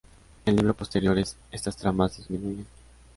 En libros posteriores, estas tramas disminuyen.